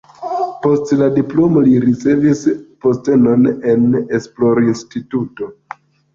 Post la diplomo li ricevis postenon en esplorinstituto.